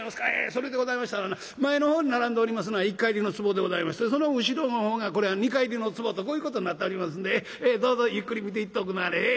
それでございましたらな前の方に並んでおりますのが一荷入りのつぼでございましてその後ろの方が二荷入りのつぼとこういうことになっておりますんでどうぞゆっくり見ていっておくんなはれ。